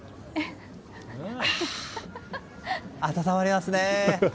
温まりますね。